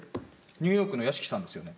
ニューヨークの屋敷さんですよね？